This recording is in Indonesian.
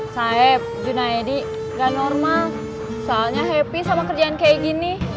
sayep junaidi gak normal soalnya happy sama kerjaan kayak gini